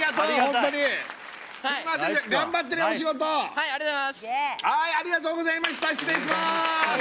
はいありがとうございます失礼します